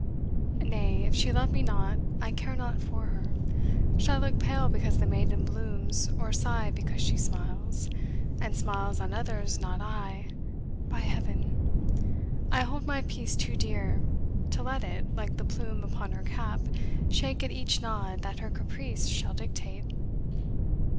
Nay, if she love me not, I care not for her: Shall I look pale because the maiden blooms Or sigh because she smiles, and smiles on others Not I, by Heaven! I hold my peace too dear, To let it, like the plume upon her cap, Shake at each nod that her caprice shall dictate.